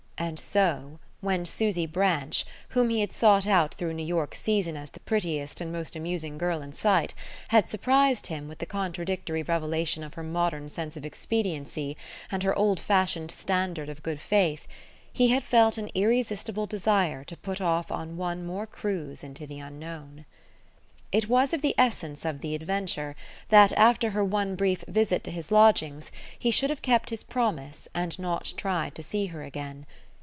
And so, when Susy Branch, whom he had sought out through a New York season as the prettiest and most amusing girl in sight, had surprised him with the contradictory revelation of her modern sense of expediency and her old fashioned standard of good faith, he had felt an irresistible desire to put off on one more cruise into the unknown. It was of the essence of the adventure that, after her one brief visit to his lodgings, he should have kept his promise and not tried to see her again.